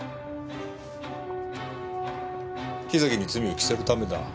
木崎に罪を着せるためだ。